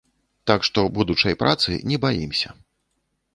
Так што будучай працы не баімся.